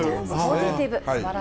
ポジティブ。